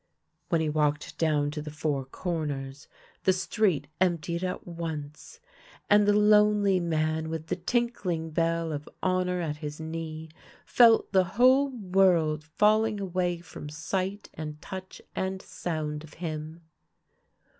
When he walked down to the Four Corners the street emptied at once, and the lonely man with the tinkling bell of honour at his knee felt the whole world falling away from sight and touch and sound of him.